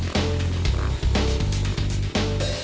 kalau korea next